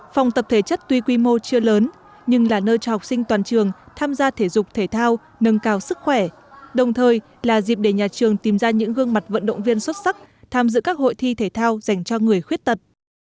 phòng tập thể chất tuy quy mô chưa lớn nhưng là nơi cho học sinh toàn trường tham gia thể dục thể thao nâng cao sức khỏe đồng thời là dịp để nhà trường tìm ra những gương mặt vận động viên xuất sắc tham dự các hội thi thể thao dành cho người khuyết tật